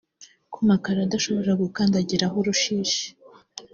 ku makaro adashobora gukandagiraho urushishi